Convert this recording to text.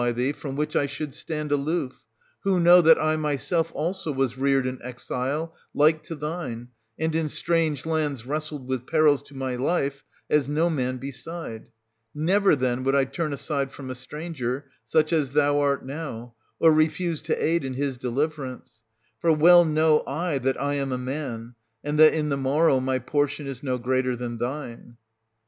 6 82 SOPHOCLES, [561—588 thee, from which I should stand aloof; who know that I myself also was reared in exile, like to thine, and in strange lands wrestled with perils to my life, as no man beside. Never, then, would I turn aside from a stranger, such as thou art now, or refuse to aid in his deliverance; for well know I that I am a man, and that in the morrow my portion is no greater than thine.